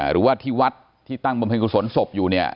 หรือว่าที่วัดที่ตั้งบริเวณสวนสบอยู่เนี่ย